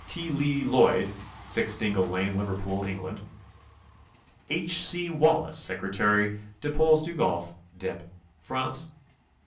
T. Lee Lloyd, 0 Dingle Lane, Liverpool, England. H. C. Wallis, Secy. Dieppois Du Golf, Dieppe, France.